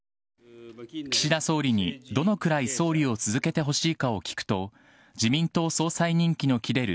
岸田総理にどのくらい総理を続けてほしいかを聞くと自民党総裁任期の切れる